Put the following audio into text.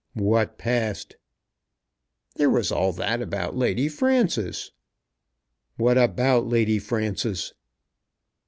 "What passed?" "There was all that about Lady Frances." "What about Lady Frances?"